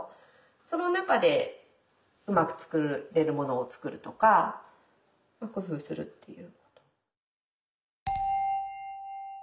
その中でうまく作れるものを作るとか工夫するっていう。